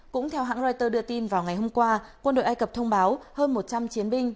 cũng theo hãng reuters đưa tin vào ngày hôm qua quân đội ai cập thông báo hơn một trăm linh chiến binh